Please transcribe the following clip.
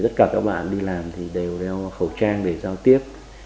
tất cả các bạn đi làm thì đều đeo khẩu trang để giao tiếp